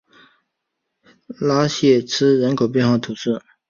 拉谢兹人口变化图示